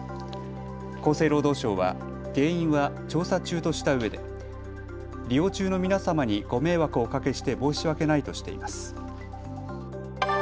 厚生労働省は原因は調査中としたうえで利用中の皆様にご迷惑をおかけして申し訳ないとしています。